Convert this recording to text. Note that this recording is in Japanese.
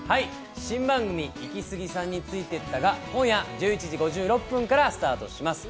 新番組「イキスギさんについてった」が今夜１１時５６分からスタートします。